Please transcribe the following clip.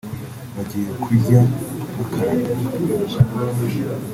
bagiye kurya bakaraba